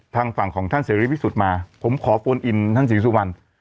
ทางฝั่งของท่านเสรีพิสุทธิ์มาผมขอโฟนอินท่านศรีสุวรรณ